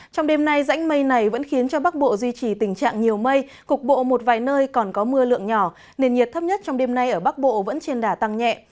trong đêm nay rãnh mây này vẫn khiến cho bắc bộ duy trì tình trạng nhiều mây cục bộ một vài nơi còn có mưa lượng nhỏ nền nhiệt thấp nhất trong đêm nay ở bắc bộ vẫn trên đà tăng nhẹ